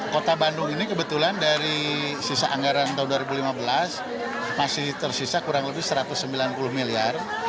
kota bandung ini kebetulan dari sisa anggaran tahun dua ribu lima belas masih tersisa kurang lebih satu ratus sembilan puluh miliar